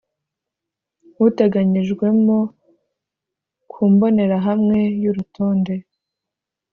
uteganyijwemo ku mbonerahamwe y’urutonde